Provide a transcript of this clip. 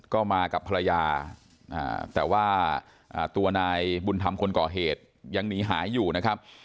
ก็มากับภรรยาแต่ว่าตัวนายบุญธรรมคนก่อเหตุยังหนีหายอยู่นะครับ